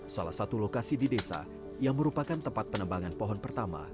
salah satu lokasi di desa yang merupakan tempat penembangan pohon pertama